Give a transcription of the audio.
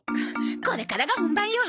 これからが本番よ！